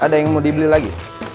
ada yang mau dibeli lagi